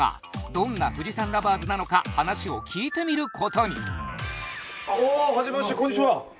どんな富士山ＬＯＶＥＲＳなのか話を聞いてみることにおおはじめましてこんにちは